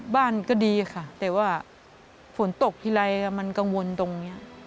บ้านก็ดีค่ะแต่ว่าฝนตกทีไรมันกังวลตรงนี้